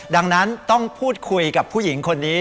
ดังนั้นต้องพูดคุยกับผู้หญิงคนนี้